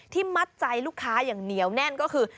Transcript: มัดใจลูกค้าอย่างเหนียวแน่นก็คือ